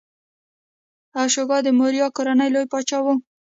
اشوکا د موریا کورنۍ لوی پاچا و.